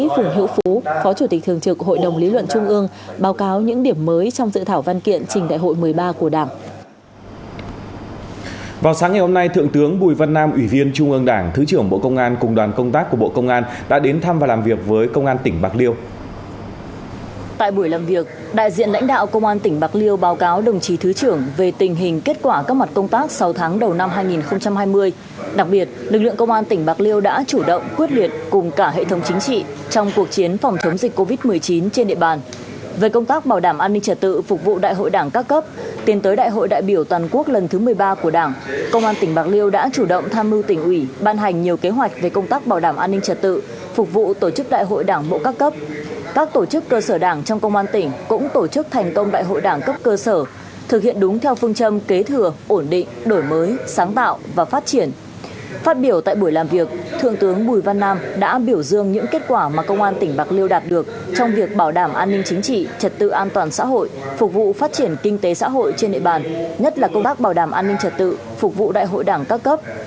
phát biểu tại buổi làm việc thượng tướng bùi văn nam đã biểu dương những kết quả mà công an tỉnh bạc liêu đạt được trong việc bảo đảm an ninh chính trị trật tự an toàn xã hội phục vụ phát triển kinh tế xã hội trên nệ bàn nhất là công tác bảo đảm an ninh trật tự phục vụ đại hội đảng các cấp